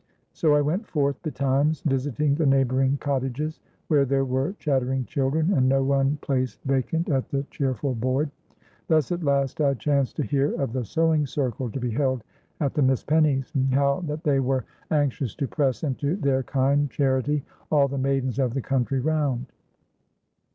So I went forth betimes; visiting the neighboring cottages; where there were chattering children, and no one place vacant at the cheerful board. Thus at last I chanced to hear of the Sewing Circle to be held at the Miss Pennies'; and how that they were anxious to press into their kind charity all the maidens of the country round.